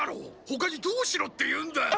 ほかにどうしろって言うんだ？